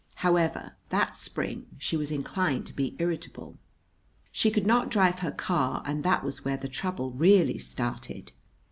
However, that spring she was inclined to be irritable. She could not drive her car, and that was where the trouble really started.